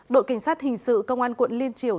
đội cảnh sát hình sự công an quận liên triều